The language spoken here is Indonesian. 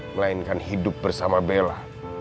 melainkan hidup bersama bella